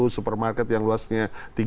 supermarket yang luasnya tiga